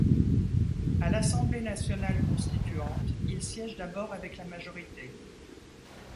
À l'Assemblée nationale constituante, il siège d'abord avec la majorité.